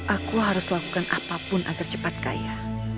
aku harus lakukan apapun agar cepat kaya